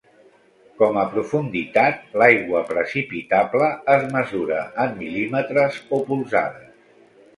Com a profunditat, l'aigua precipitable es mesura en mil·límetres o polzades.